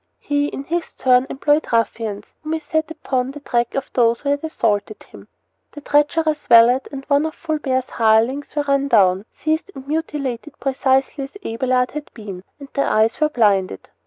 He, in his turn, employed ruffians whom he set upon the track of those who had assaulted him. The treacherous valet and one of Fulbert's hirelings were run down, seized, and mutilated precisely as Abelard had been; and their eyes were blinded.